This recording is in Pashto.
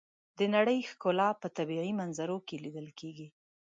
د نړۍ ښکلا په طبیعي منظرو کې لیدل کېږي.